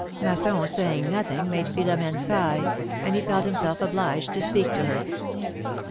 Massoifs saying nothing made Philomene sigh, and he felt himself obliged to speak to her.